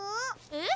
えっ？